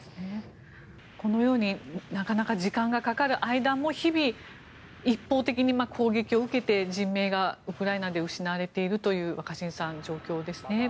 このようになかなか時間がかかる間も日々、一方的に攻撃を受けて人命がウクライナで失われているという状況ですね。